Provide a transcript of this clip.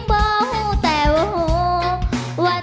เธอเป็นผู้สาวขาเลียน